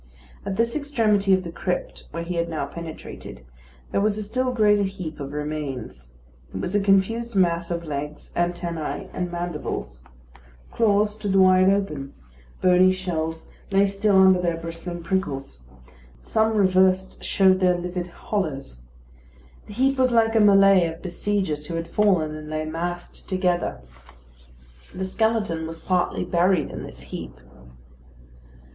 At this extremity of the crypt, where he had now penetrated, there was a still greater heap of remains. It was a confused mass of legs, antennæ, and mandibles. Claws stood wide open; bony shells lay still under their bristling prickles; some reversed showed their livid hollows. The heap was like a mêlée of besiegers who had fallen, and lay massed together. The skeleton was partly buried in this heap.